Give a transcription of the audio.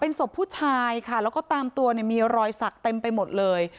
ศพผู้ชายค่ะแล้วก็ตามตัวเนี่ยมีรอยสักเต็มไปหมดเลย